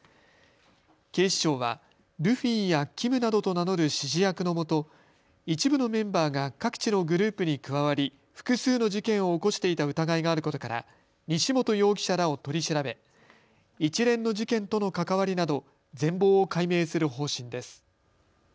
警視庁はルフィやキムなどと名乗る指示役のもと一部のメンバーが各地のグループに加わり、複数の事件を起こしていた疑いがあることから西本容疑者らを取り調べ一連の事件との関わりなど全貌を解明する方針です。